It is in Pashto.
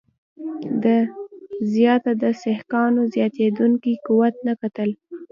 ده زیاتره د سیکهانو زیاتېدونکي قوت ته کتل.